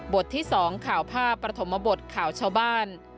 ที่๒ข่าวภาพประถมบทข่าวชาวบ้าน